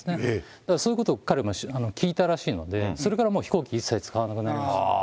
だからそういうこと、彼は聞いたらしいので、それからもう一切飛行機を使わなくなりましたね。